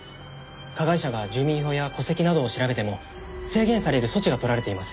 加害者が住民票や戸籍などを調べても制限される措置が取られています。